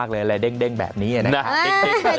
อะไรเด้งแบบนี้นะครับ